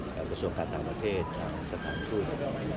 ทางประสงค์การให้ทางประเทศทางสถานกรุ่นไทย